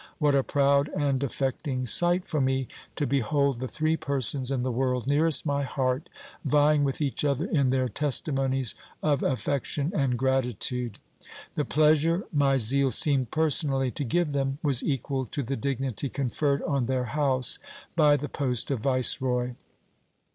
What a proud and affecting sight for me, to behold the three persons in the world nearest my heart, vying with each other in their testimonies of affection and gratitude ! The pleasure my zeal seemed personally to give them, was equal to the dignity conferred on their house by the post of viceroy.